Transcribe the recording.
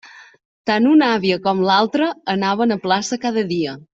Tant una àvia com l'altra anaven a plaça cada dia.